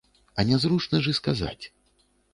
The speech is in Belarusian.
А нязручна ж і сказаць.